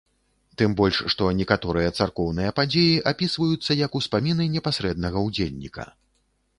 Тым больш, што некаторыя царкоўныя падзеі апісваюцца як успаміны непасрэднага ўдзельніка.